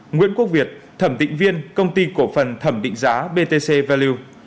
nguyễn quốc việt thẩm định viên công ty cổ phần thẩm định giá btc value